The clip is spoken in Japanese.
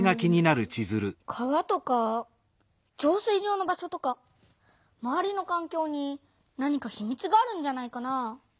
川とか浄水場の場所とかまわりのかんきょうに何かひみつがあるんじゃないかな？